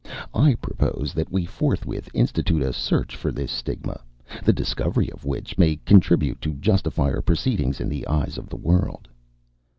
I propose that we forthwith institute a search for this stigma, the discovery of which may contribute to justify our proceedings in the eyes of the world."